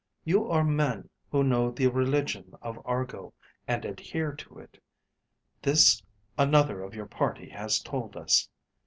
You are men who know the religion of Argo, and adhere to it. This another of your party has told us.